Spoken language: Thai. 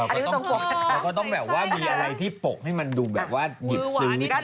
อันนี้ไม่ตรงปกนะคะแต่ก็ต้องแบบว่ามีอะไรที่ปกให้มันดูแบบว่าหยิบซื้อทันที